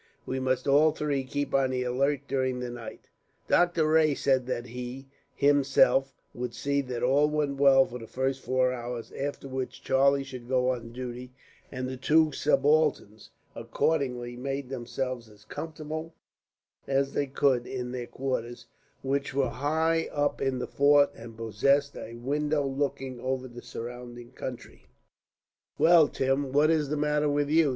We must all three keep on the alert, during the night." Doctor Rae said that he, himself, would see that all went well for the first four hours, after which Charlie should go on duty; and the two subalterns accordingly made themselves as comfortable as they could in their quarters, which were high up in the fort, and possessed a window looking over the surrounding country. "Well, Tim, what is the matter with you?"